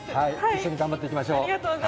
一緒に頑張っていきましょう。